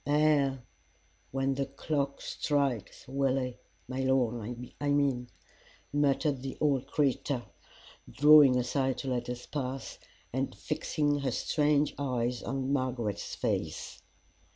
"Ay when the clock strikes, Willie my Lord, I mean," muttered the old creature, drawing aside to let us pass, and fixing her strange eyes on Margaret's face.